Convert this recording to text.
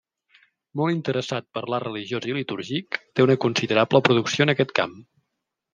Molt interessat per l'art religiós i litúrgic, té una considerable producció en aquest camp.